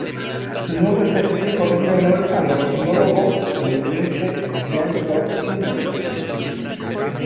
Su nombre específico rinde honor al ornitólogo estadounidense John Todd Zimmer.